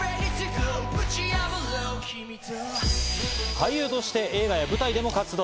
俳優として映画や舞台でも活動。